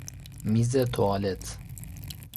میز توالت